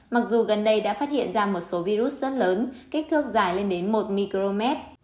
mặc dù gần đây đã phát hiện ra một số virus rất lớn kích thước dài lên đến một micromet